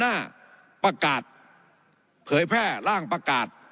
หน้าประกาศเผยแพร่ร่างประกาศ